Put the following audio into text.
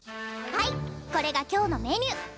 はいこれが今日のメニュー。